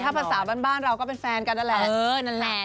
คือถ้าภาษาบ้านเราก็เป็นแฟนกันนั่นแหละ